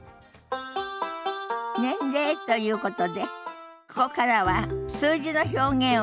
年齢ということでここからは数字の表現を覚えましょ。